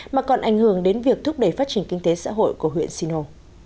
mà còn ảnh hưởng đến việc thúc đẩy phát triển kinh tế xã hội của huyện sinh hồ